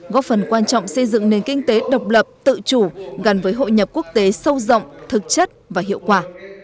góp phần quan trọng xây dựng nền kinh tế độc lập tự chủ gần với hội nhập quốc tế sâu rộng thực chất và hiệu quả